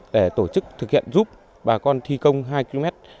để tổ chức thực hiện giúp bà con thi công hai km